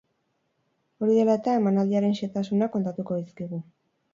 Hori dela eta, emanaldiaren xehetasunak kontatuko dizkigu.